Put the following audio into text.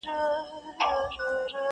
د اهریمن د اولادونو زانګو؛